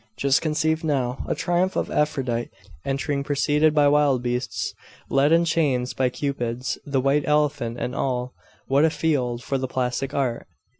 Just conceive now, a triumph of Aphrodite, entering preceded by wild beasts led in chains by Cupids, the white elephant and all what a field for the plastic art!